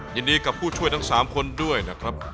ยินดีกับผู้ช่วยทั้ง๓คนด้วยนะครับ